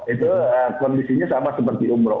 itu kondisinya sama seperti umroh